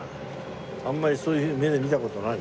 あんまりそういう目で見た事ない？